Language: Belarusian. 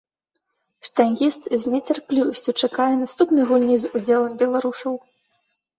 Штангіст з нецярплівасцю чакае наступнай гульні з удзелам беларусаў.